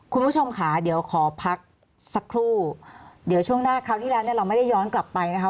คุณผู้ชมค่ะเดี๋ยวขอพักสักครู่เดี๋ยวช่วงหน้าคราวที่แล้วเนี่ยเราไม่ได้ย้อนกลับไปนะคะ